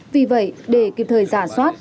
vì vậy để kịp thời giả soát